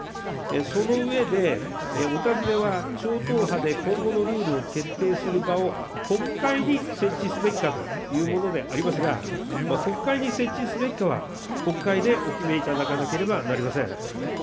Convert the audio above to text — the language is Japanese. その上で、お尋ねは超党派で今後のルールを決定する場を、国会に設置すべきかというものでありますが、国会に設置すべきかは、国会でお決めいただかなければなりません。